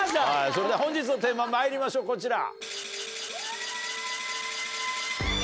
それでは本日のテーマまいりましょうこちら。